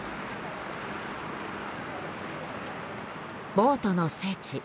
「ボートの聖地」